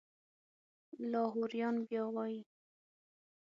لاهوریان بیا وایي.